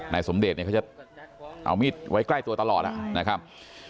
นายสมเดชเขาจะเอามีดไว้ใกล้ตัวตลอดนะครับ